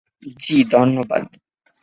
জি, ধন্যবাদ।